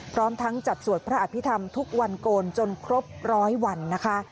พร้อมทั้งจัดสวดพระอภิษฐรรมทุกวันโกนจนครบร้อยวันนะคะ